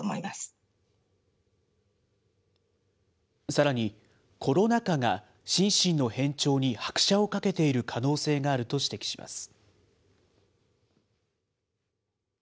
さらに、コロナ禍が心身の変調に拍車をかけている可能性があると指摘します。